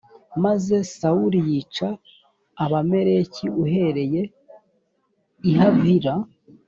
maze sawuli yica abamaleki uhereye i havila